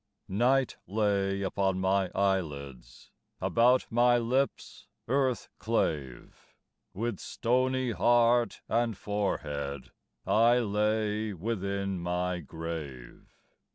Night lay upon my eyelids, About my lips earth clave; With stony heart and forehead I lay within my grave.